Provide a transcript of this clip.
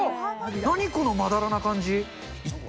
何このまだらな感じ。